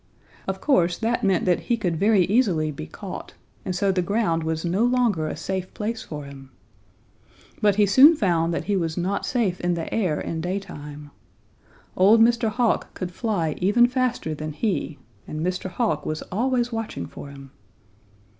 Of course that meant that he could very easily be caught, and so the ground was no longer a safe place for him. But he soon found that he was not safe in the air in daytime. Old Mr. Hawk could fly even faster than he, and Mr. Hawk was always watching for him.